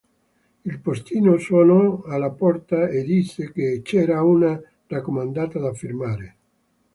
Il postino suonò alla porta e disse che c'era una raccomandata da firmare.